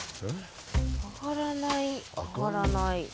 あがらないあがらない。